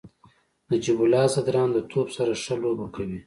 نجیب الله زدران د توپ سره ښه لوبه کوي.